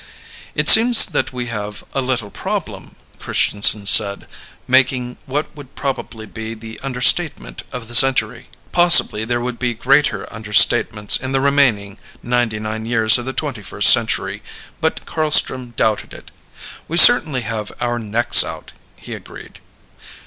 "It seems that we have a little problem," Christianson said, making what would probably be the understatement of the century. Possibly there would be greater understatements in the remaining ninety nine years of the Twenty first Century, but Carlstrom doubted it. "We certainly have our necks out," he agreed.